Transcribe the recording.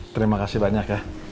terima kasih banyak ya